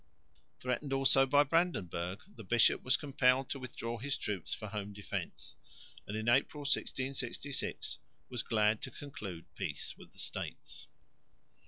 Threatened also by Brandenburg, the bishop was compelled to withdraw his troops for home defence and in April, 1666, was glad to conclude peace with the States.